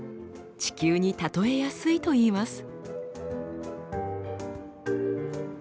地球に例えやすいといいます。